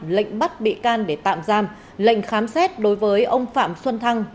lệnh bắt bị can để tạm giam lệnh khám xét đối với ông phạm xuân thăng